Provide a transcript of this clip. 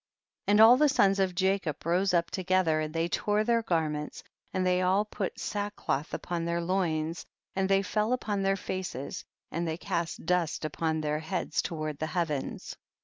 25. And all the sons of Jacob rose up together, and they tore their garments, and they all put sackcloth upon their loins, and they fell upon their faces, and they cast dust upon their heads toward the heavens.